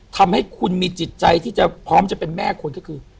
ทำให้คุณมีจิตใจที่จะพร้อมจะเป็นแม่คนก็คือ